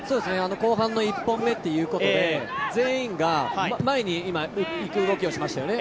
後半の１本目ということで全員が前にいく動きをしましたよね。